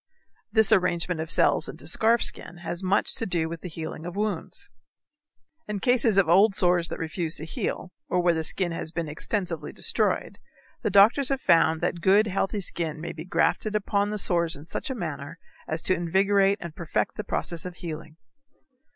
This arrangement of cells into scarf skin has much to do with the healing of wounds. In cases of old sores that refuse to heal, or where the skin has been extensively destroyed, the doctors have found that good, healthy skin may be grafted upon the sores in such a manner as to invigorate and perfect the process of healing.